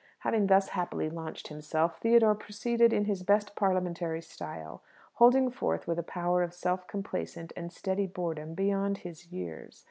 Having thus happily launched himself, Theodore proceeded in his best Parliamentary style: holding forth with a power of self complacent and steady boredom beyond his years.